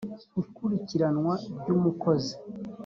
ikurikiranwa ry’umukozi